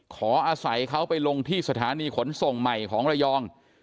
ขออาศัยเขาไปลงที่สถานีขนส่งใหม่ของระยอง